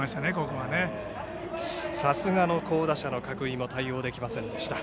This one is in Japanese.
さすがの好打者の角井も対応できませんでした。